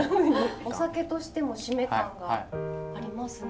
お酒としても〆感がありますね。